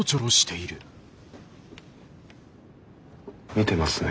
見てますね。